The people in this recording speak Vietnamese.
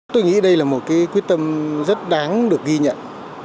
tôi nghĩ đây là một cái quyết tâm rất đáng được ghi nhận